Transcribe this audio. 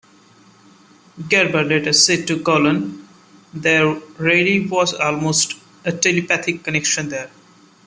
Gerber later said to Colan: There really was almost a telepathic connection there.